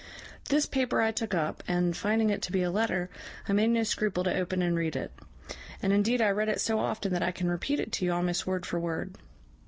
This paper I took up, and, finding it to be a letter, I made no scruple to open and read it; and indeed I read it so often that I can repeat it to you almost word for word.